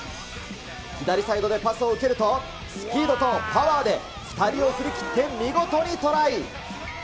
左サイドでパスを受けるとスピードとパワーで、２人を振り切って見事にトライ。